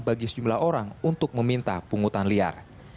bagi sejumlah orang untuk meminta pungutan liar